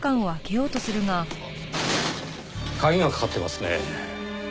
鍵がかかっていますね。